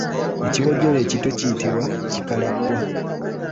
Ekiwojjolo ekito kiyitibwa Kikalappwa.